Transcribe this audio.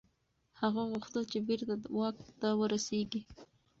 هغه غوښتل چي بیرته واک ته ورسیږي.